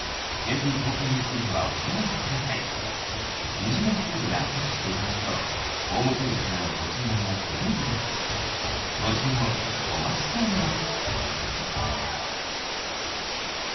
二次元コードでアクセスしていただくとホームページからのご注文がスムーズですご注文お待ちしております